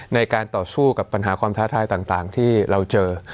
ในการต่อสู้กับปัญหาความท้าทายต่างที่เราเจอ